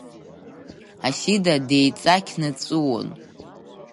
Асида деиҵақьны дҵәуон.